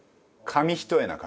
紙一重？